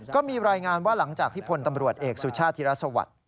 ก็มีรายงานว่าหลังจากที่พลตำรวจเอกสุชาติธิรัฐสวัสดิ์